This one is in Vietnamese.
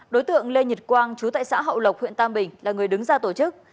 đối tượng lê nhật quang chú tại xã hậu lộc huyện tam bình là người đứng ra tổ chức